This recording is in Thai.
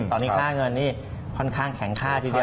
ตอนนี้ค่าเงินนี่ค่อนข้างแข็งค่าทีเดียว